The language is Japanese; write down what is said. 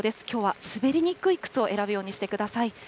きょうは滑りにくい靴を選ぶようにしてください。